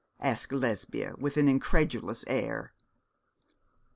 asked Lesbia, with an incredulous air.